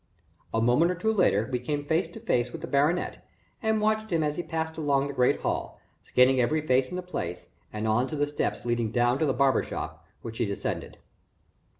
A moment or two later we came face to face with the baronet, and watched him as he passed along the great hall, scanning every face in the place, and on to the steps leading down to the barber shop, which he descended.